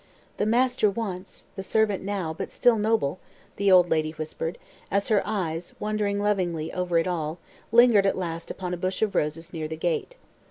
"The master once, the servant now, but still noble," the old lady whispered, as her eyes, wandering lovingly over it all, lingered at last upon a bush of roses near the gate.